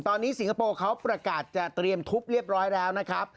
ตอนนี้สิงคโปร์เขาประกาศจะเตรียมทุบเรียบร้อยแล้วนะครับ